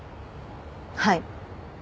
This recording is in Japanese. はい。